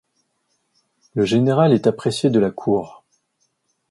Le général est apprécié de la cour.